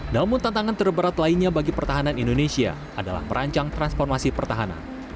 namun tantangan terberat lainnya bagi pertahanan indonesia adalah merancang transformasi pertahanan